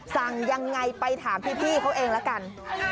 สั่งยังไงไปถามพี่เขาเองละกัน